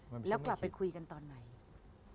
แล้วกลับไปคุยกันตอนไหน